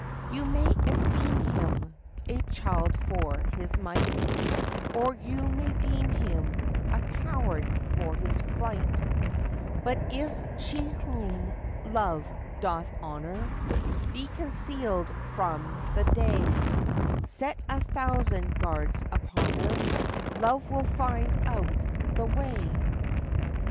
You may esteem him A child for his might; Or you may deem him A coward for his flight; But if she whom Love doth honour Be concealed from the day, Set a thousand guards upon her, Love will find out the way.